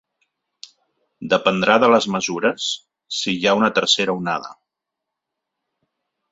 Dependrà de les mesures si hi ha una tercera onada.